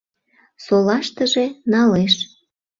Солаштыже налеш.